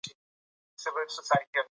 انارګل په خپل ذهن کې د نوې مېنې نقشه جوړوله.